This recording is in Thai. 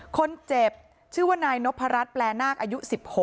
คนเจ็บชื่อว่านายนพรัชแปลนาคอายุ๑๖